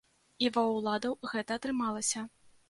І ва ўладаў гэта атрымалася.